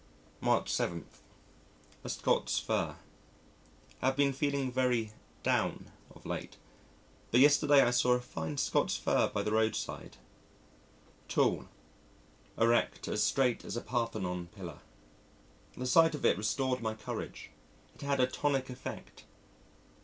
March 7. A Scots Fir Have been feeling very "down" of late, but yesterday I saw a fine Scots Fir by the roadside tall, erect, as straight as a Parthenon pillar. The sight of it restored my courage. It had a tonic effect.